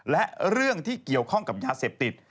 และเรื่องที่เกี่ยวข้องกับยาเสพติด